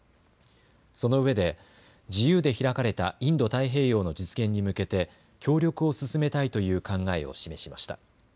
そのうえで自由で開かれたインド太平洋の実現に向けて協力を進めたいという考えを示しました。